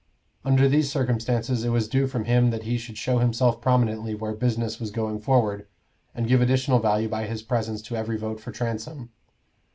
Under these circumstances, it was due from him that he should show himself prominently where business was going forward, and give additional value by his presence to every vote for Transome.